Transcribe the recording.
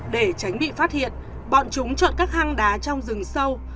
để tránh bị phát hiện bọn chúng chọn các hang đá trong rừng sâu